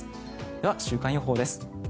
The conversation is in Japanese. では、週間予報です。